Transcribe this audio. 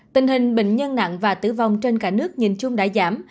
tình hình bệnh nhân nặng và tử vong trên cả nước nhìn chung đã giảm